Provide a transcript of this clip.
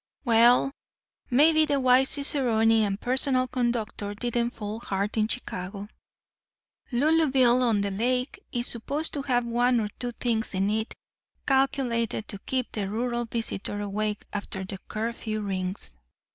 "Well, maybe the wise cicerone and personal conductor didn't fall hard in Chicago! Loolooville on the Lake is supposed to have one or two things in it calculated to keep the rural visitor awake after the curfew rings.